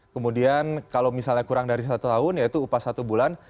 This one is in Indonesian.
kemudian kalau misalnya kurang dari satu tahun yaitu upah satu bulan